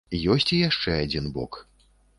Ёсць і яшчэ адзін бок.